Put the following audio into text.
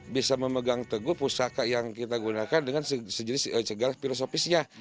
bisa memegang teguh pusaka yang kita gunakan dengan sejenis segala filosofisnya